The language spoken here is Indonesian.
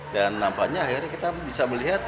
dan nampaknya akhirnya kita bisa melihat